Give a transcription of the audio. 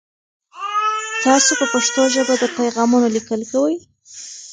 تاسو په پښتو ژبه د پیغامونو لیکل کوئ؟